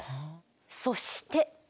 そして。